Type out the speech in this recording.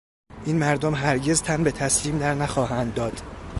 این مردم هرگز تن به تسلیم درنخواهند داد.